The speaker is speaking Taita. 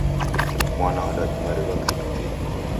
Mwana wadanywa mariw'a gha idukenyi.